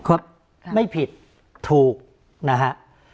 ครับไม่ผิดถูกนะฮะ